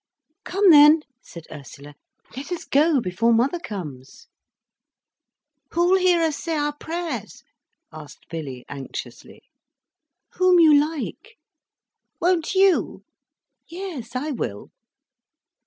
"Come then," said Ursula. "Let us go before mother comes." "Who'll hear us say our prayers?" asked Billy anxiously. "Whom you like." "Won't you?" "Yes, I will."